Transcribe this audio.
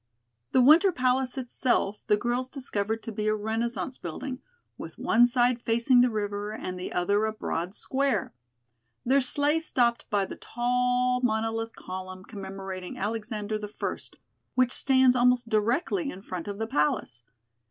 The Winter Palace itself the girls discovered to be a Renaissance building, with one side facing the river and the other a broad square. Their sleigh stopped by the tall monolith column commemorating Alexander the First, which stands almost directly in front of the Palace.